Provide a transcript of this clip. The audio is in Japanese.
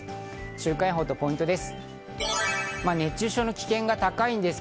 週間予報とポイントです。